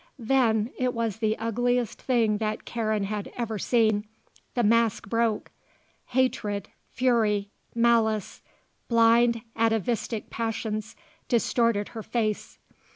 Then, it was the ugliest thing that Karen had ever seen, the mask broke. Hatred, fury, malice, blind, atavistic passions distorted her face.